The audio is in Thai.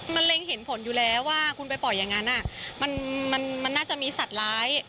มันเล็งเห็นผลอยู่แล้วว่าคุณไปปล่อยอย่างนั้นมันน่าจะมีสัตว์ร้าย